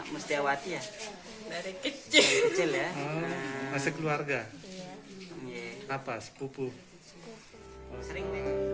mustiawati ya dari kecil kecil ya masih keluarga ya apa sepupu pupu